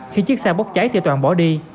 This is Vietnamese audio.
khi chiếc xe bốc cháy thì toàn bỏ đi